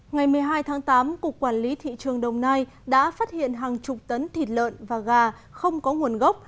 ngày một mươi hai tháng tám cục quản lý thị trường đồng nai đã phát hiện hàng chục tấn thịt lợn và gà không có nguồn gốc